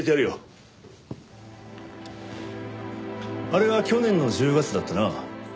あれは去年の１０月だったな。